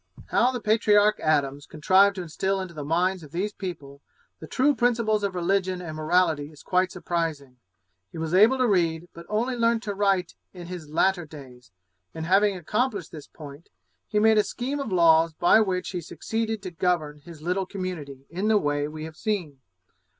How the patriarch Adams contrived to instil into the minds of these people the true principles of religion and morality is quite surprising. He was able to read, but only learnt to write in his latter days; and having accomplished this point, he made a scheme of laws by which he succeeded to govern his little community in the way we have seen.